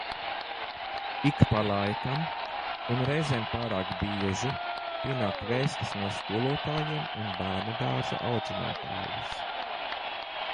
Ik pa laikam un reizēm pārāk bieži pienāk vēstis no skolotājiem un bērnudārza audzinātājas.